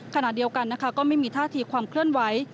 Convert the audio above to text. ขณะเดียวกันนะคะก็ไม่มีท่าทีความเคลื่อนไหว